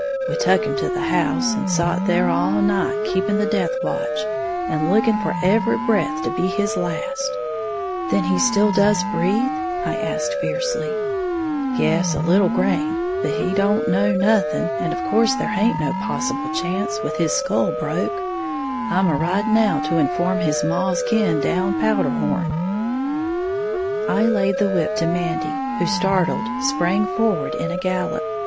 We tuck him to the house, and sot there all night keeping the death watch, and looking for every breath to be his last." [Illustration: "'Blant he rushed on 'em like a robbed she bear, routing 'em in no time.'"] "Then he still does breathe?" I asked, fiercely. "Yes, a little grain; but he don't know nothing, and of course there haint no possible chance, with his skull broke. I'm a riding now to inform his maw's kin down Powderhorn." I laid the whip to Mandy, who, startled, sprang forward in a gallop.